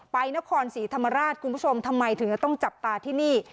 ไปนครศรีธรรมราชคุณผู้ชมทำไมถึงจะต้องจับตาที่นี่